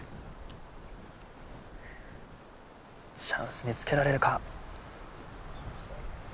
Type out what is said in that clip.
チャンス見つけられるか。